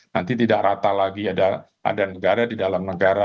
nanti tidak rata lagi ada negara di dalam negara